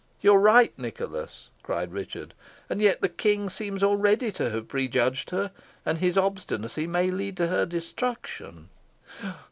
"You are right, Nicholas," cried Richard; "and yet the King seems already to have prejudged her, and his obstinacy may lead to her destruction."